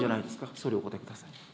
総理、お答えください。